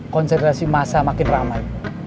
konsiderasi masa makin ramai